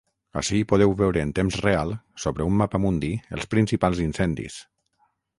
Ací podeu veure en temps real sobre un mapamundi els principals incendis.